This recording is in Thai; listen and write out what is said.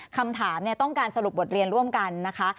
คำถามต้องการสรุปบทเรียนร่วมกันนะคะ